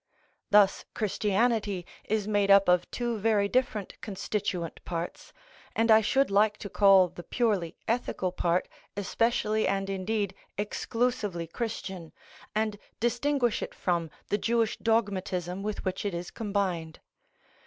Thus Christianity is made up of two very different constituent parts, and I should like to call the purely ethical part especially and indeed exclusively Christian, and distinguish it from the Jewish dogmatism with which it is combined.